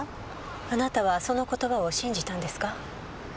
あなたはその言葉を信じたんですか？